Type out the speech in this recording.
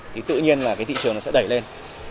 thì tự nhiên là cái thị trường nó sẽ đẩy lên